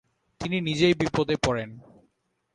তিনি নিজেই বিপদে পড়েন।